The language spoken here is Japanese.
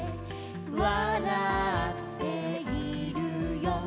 「わらっているよ」